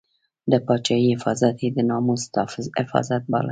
د پاچاهۍ حفاظت یې د ناموس حفاظت باله.